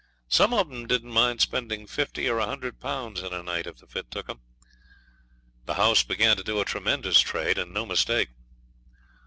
Some of them didn't mind spending fifty or a hundred pounds in a night if the fit took them. The house began to do a tremendous trade, and no mistake.